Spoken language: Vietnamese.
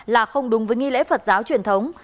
là không đúng với nghi lễ phật giáo truyền thống